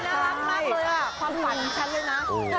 สัญลักษณ์มากเลยความฝันฉันเลยนะ